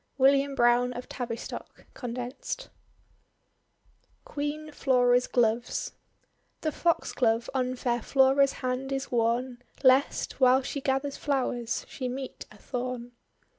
WILLIAM BROWNE OF TAVISTOCK (condensed) QUEEN FLORA'S GLOVES The Foxglove on fair Flora's hand is worn, Lest, while she gathers flowers, she meet a thorn.